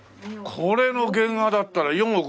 これの原画だったら４億５億。